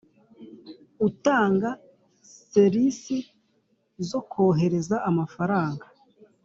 Utanga Ser isi zo kohereza amafaranga